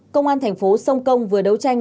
công an thành phố sông công vừa đấu tranh